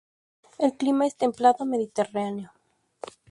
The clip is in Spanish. El clima es templado mediterráneo.